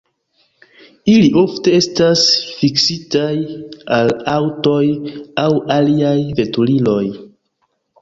Ili ofte estas fiksitaj al aŭtoj aŭ aliaj veturiloj.